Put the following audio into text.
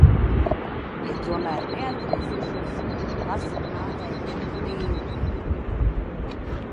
Ja tomēr neatgriezīšos, pasaki mātei, ka mīlu viņu.